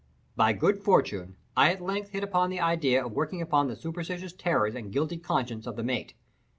By good fortune I at length hit upon the idea of working upon the superstitious terrors and guilty conscience of the mate.